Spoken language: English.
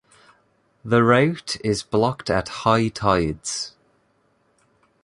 The route is blocked at high tides.